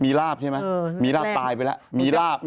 มีลาบใช่ไหมมีลาบตายไปแล้วมีลาบ